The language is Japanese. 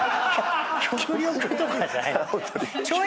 極力とかじゃない。